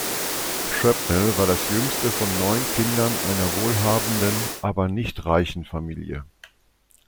Shrapnel war das jüngste von neun Kindern einer wohlhabenden, aber nicht reichen Familie.